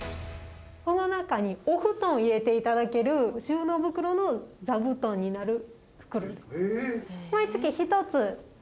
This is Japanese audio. この中にお布団を入れていただける収納袋の座布団になる袋です